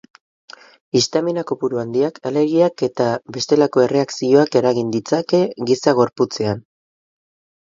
Histamina kopuru handiak alergiak eta bestelako erreakzioak eragin ditzake giza gorputzean.